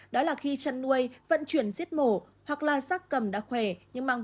đó là khi chân nuôi vận chuyển diễn